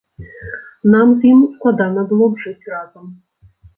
Нам з ім складана было б жыць разам.